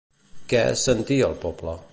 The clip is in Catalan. Què es sentia al poble?